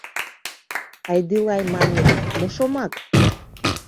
Айды-лай манме - мо шомак?